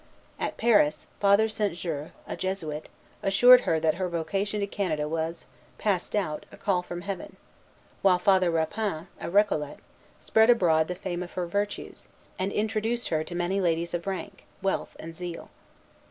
At Paris, Father St. Jure, a Jesuit, assured her that her vocation to Canada was, past doubt, a call from Heaven; while Father Rapin, a Récollet, spread abroad the fame of her virtues, and introduced her to many ladies of rank, wealth, and zeal.